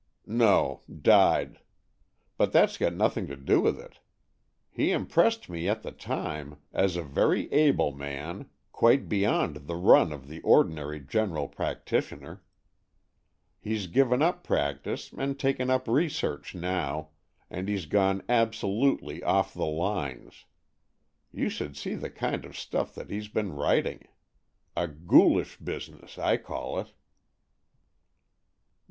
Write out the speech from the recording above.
"" No; died. But that's got nothing to do with it. He impressed me at the time as a 12 AN EXCHANGE OF SOULS very able man, quite beyond the run of the ordinary general practitioner. He's given up practice and taken up research now, and he's gone absolutely off the lines. You should see the kind of stuff that he's been writing. A ghoulish business, I call it."